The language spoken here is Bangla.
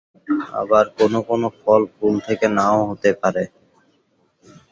আবার কোনো কোন ফল ফুল থেকে নাও হতে পারে।